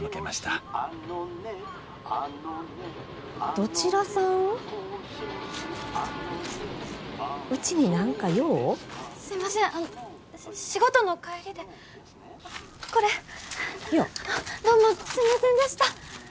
どうもすみませんでした！